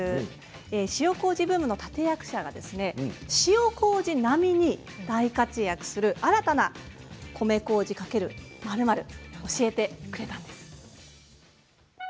塩こうじブームの立て役者が塩こうじ並みに大活躍する新たな米こうじ×○○教えてくれたんです。